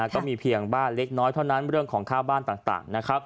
ก็มีเพียงบ้านเล็กน้อยเท่านั้นเรื่องของค่าบ้านต่างนะครับ